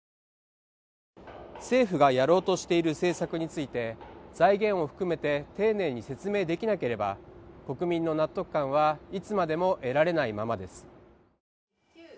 政府がやろうとしている政策について財源を含めて丁寧に説明できなければ国民の納得感はいつまでも得られないままです